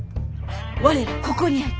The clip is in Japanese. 我らここにあり。